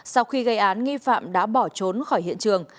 sau khi gây án nghi phạm đã bỏ trốn khỏi hiện trường